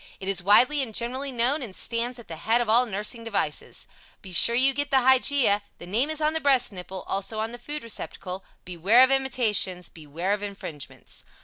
It is widely and generally known, and stands at the head of all nursing devices. Be sure you get the Hygeia. The name is on the breast nipple; also, on the food receptacle. Beware of imitations! Beware of infringements!